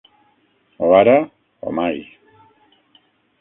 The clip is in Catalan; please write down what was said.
O ara, o mai.